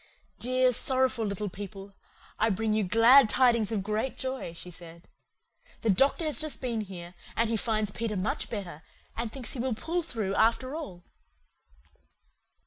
"Dear, sorrowful little people, I bring you glad tidings of great joy," she said. "The doctor has just been here, and he finds Peter much better, and thinks he will pull through after all."